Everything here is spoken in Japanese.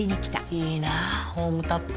いいなホームタップ。